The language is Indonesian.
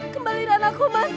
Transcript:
kembali anakku mas